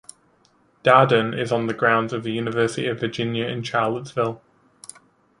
Darden is on the grounds of the University of Virginia in Charlottesville.